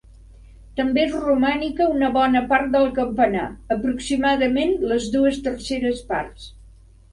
També és romànica una bona part del campanar, aproximadament les dues terceres parts.